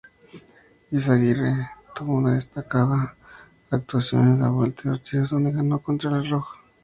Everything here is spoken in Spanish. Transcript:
Izagirre tuvo una destacada actuación en la Vuelta a Asturias, donde ganó la contrarreloj.